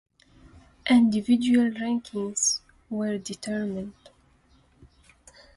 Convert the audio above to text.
Individual rankings were determined.